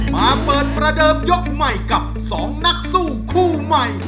มาเปิดประเดิมยกใหม่กับ๒นักสู้คู่ใหม่